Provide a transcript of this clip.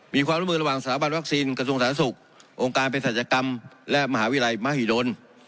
มีความรวมมือนระหว่างสถาบันวัคซีนกระทรวงศาสนศุกร์องค์การเพยรษัตริยากรรมและมหาวิลัยมหาวิรุณ